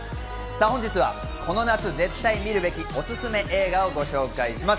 本日はこの夏、絶対見るべき、おすすめ映画をご紹介します。